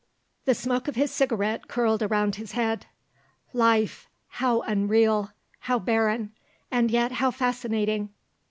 The smoke of his cigarette curled round his head. Life, how unreal, how barren, and yet, how fascinating!